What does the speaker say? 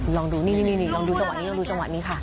ลองดูนี่ลองดูจังหวะนี้ค่ะ